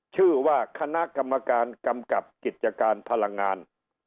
ชื่อว่าคณะกรรมการกำกับกิจการพลังงาน